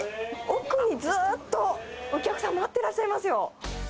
奥にずーっと、お客さん、待ってらっしゃいますよ。